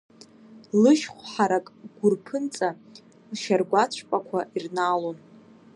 Лышьхә ҳарак гәыр ԥынҵа лшьаргәацә пақәа ирнаалон.